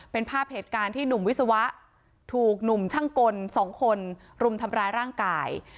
เป็นภาพเหตุการณ์ที่หนุ่มวิศวะถูกหนุ่มช่างกล๒คนรุมทำร้ายร่างกาย